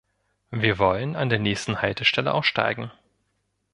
Wir wollen an der nächsten Haltestelle aussteigen.